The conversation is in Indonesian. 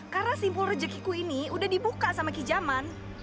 karena simbol rezekiku ini udah dibuka sama kijaman